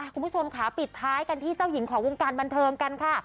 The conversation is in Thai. คุณผู้ชมค่ะปิดท้ายกันที่เจ้าหญิงของวงการบันเทิงกันค่ะ